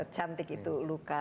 cantik itu luka